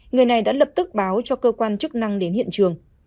người này đã lập tức báo cho cơ quan chức năng đến hiện trường